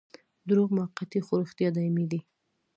دروغ موقتي خو رښتیا دايمي دي.